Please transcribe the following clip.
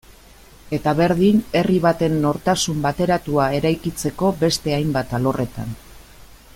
Eta berdin herri baten nortasun bateratua eraikitzeko beste hainbat alorretan.